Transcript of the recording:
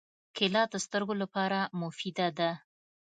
کېله د سترګو لپاره مفیده ده.